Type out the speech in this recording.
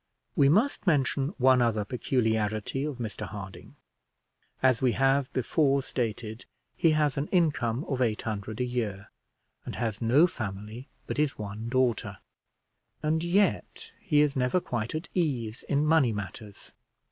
We must mention one other peculiarity of Mr Harding. As we have before stated, he has an income of eight hundred a year, and has no family but his one daughter; and yet he is never quite at ease in money matters.